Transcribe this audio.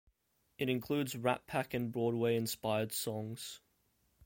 It includes Rat Pack- and Broadway-inspired songs.